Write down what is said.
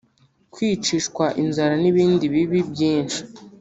kwicishwa inzara n’ibindi bibi byinshi